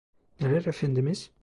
Neler, Efendimiz?